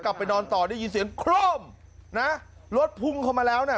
กลับไปนอนต่อได้ยินเสียงโคร่มนะรถพุ่งเข้ามาแล้วเนี่ย